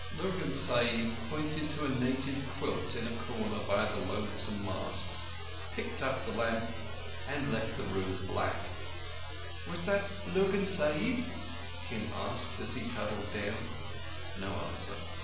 Lurgan Sahib pointed to a native quilt in a corner by the loathsome masks, picked up the lamp, and left the room black. "Was that Lurgan Sahib?" Kim asked as he cuddled down. No answer.